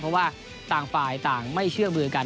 เพราะว่าต่างฝ่ายต่างไม่เชื่อมือกัน